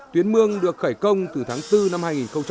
tuyến mương được khởi công từ tháng bốn năm hai nghìn một mươi chín